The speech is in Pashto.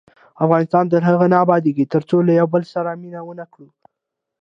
افغانستان تر هغو نه ابادیږي، ترڅو له یو بل سره مینه ونه کړو.